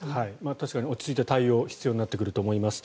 確かに落ち着いて対応が必要になってくると思います。